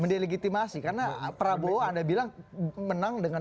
mendelegitimasi karena prabowo anda bilang menang dengan